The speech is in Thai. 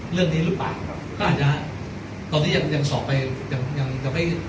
เรื่องนี้หรือเปล่าก็อาจจะตอนนี้ยังยังสอบไปยังยังไม่